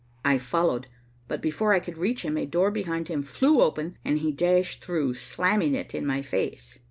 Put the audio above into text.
I followed, but before I could reach him, a door behind him flew open and he dashed through, slamming it in my face.